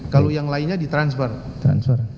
kalau yang lainnya ditransfer transfer